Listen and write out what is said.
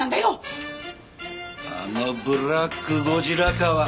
あのブラックゴジラ河！